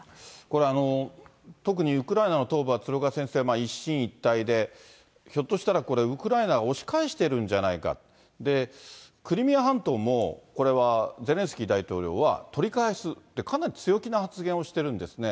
これ、特にウクライナの東部は鶴岡先生、一進一退で、ひょっとしたらこれ、ウクライナが押し返してるんじゃないか、クリミア半島も、これはゼレンスキー大統領は、取り返すって、かなり強気な発言をしているんですね。